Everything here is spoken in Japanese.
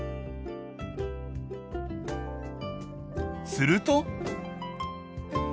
すると。